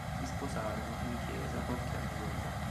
Si sposarono, in chiesa, qualche anno dopo.